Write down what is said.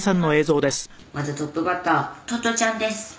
「まずトップバッターととちゃんです」